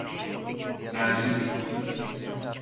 Bensiz git.